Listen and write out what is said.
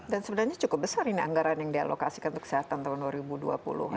dan sebenarnya cukup besar ini anggaran yang dialokasikan untuk kesehatan tahun dua ribu dua puluh